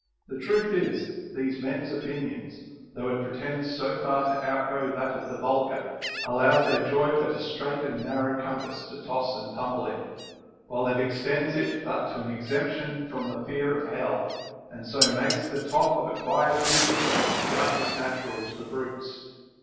The truth is, these men's opinion, though it pretends so far to outgo that of the vul gar, allows their joy but a straight and narrow compass to toss and tumble in, while it extends it but to an exemption from the fear of hell, and so makes that the top of acquired wisdom which is doubtless natural to the brutes.